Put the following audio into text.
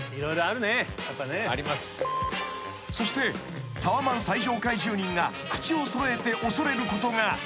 ［そしてタワマン最上階住人が口を揃えて恐れることが］